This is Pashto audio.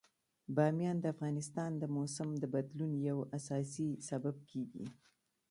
بامیان د افغانستان د موسم د بدلون یو اساسي سبب کېږي.